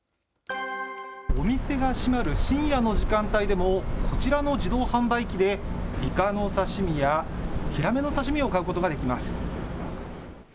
お店が閉まる深夜の時間帯でも、こちらの自動販売機でイカの刺身や、ヒラメの刺身を買うことができます。